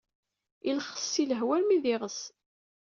Illexs si lehwa armi d iɣes.